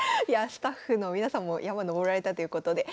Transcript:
スタッフの皆さんも山登られたということで。